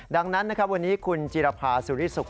ดังนั้นนะครับวันนี้คุณจิรภาสุริสุข